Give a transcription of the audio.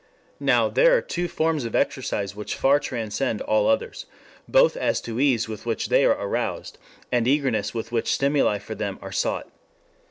Now there are two forms of exercise which far transcend all others, both as to ease with which they are aroused, and eagerness with which stimuli for them are sought.